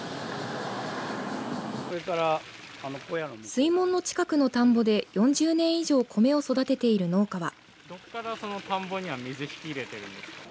水門の近くの田んぼで４０年以上コメを育てている農家は。